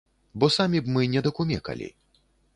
Бо самі б мы не дакумекалі.